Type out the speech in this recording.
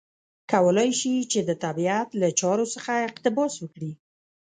کولای شي چې د طبیعت له چارو څخه اقتباس وکړي.